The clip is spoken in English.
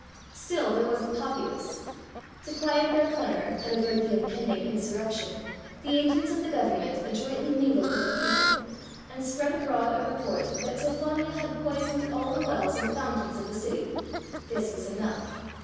Still there was the populace. To quiet their clamour and avert the impending insurrection, the agents of the government adroitly mingled with the people, and spread abroad a report that Tophania had poisoned all the wells and fountains of the city. This was enough.